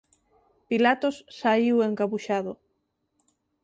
Pilatos saíu encabuxado.